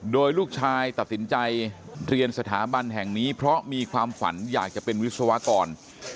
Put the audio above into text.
โดยลูกชายตัดสินใจเรียนสถาบันแห่งนี้เพราะมีความฝันอยากจะเป็นวิศวกร